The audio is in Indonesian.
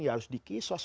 ya harus dikisos